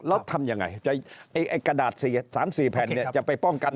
แล้วทำยังไงกระดาษ๓๔แผ่นจะไปป้องกัน